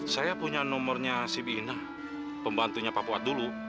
saya punya nomornya si binah pembantunya papua dulu